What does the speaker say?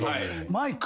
マイク。